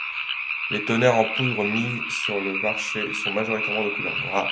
Les toners en poudre mis sur le marché sont majoritairement de couleur noire.